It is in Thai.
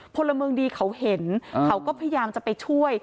พลเมืองดีเขาเห็นเขาก็พยายามจะไปช่วย